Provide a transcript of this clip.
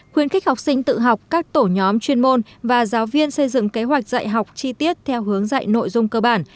khuyến khích học sinh tự học các tổ nhóm chuyên môn và giáo viên xây dựng kế hoạch dạy học chi tiết theo hướng dạy nội dung cơ bản